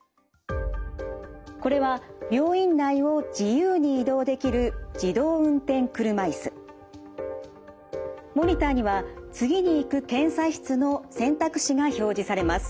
これは病院内を自由に移動できるモニターには次に行く検査室の選択肢が表示されます。